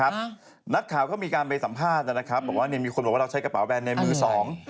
บอกว่ามีคนบอกว่าเราใช้กระเป๋าแบรนด์ในมือสอง